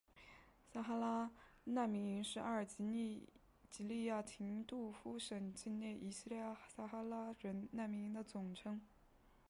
撒哈拉难民营是阿尔及利亚廷杜夫省境内的一系列撒哈拉人难民营的总称。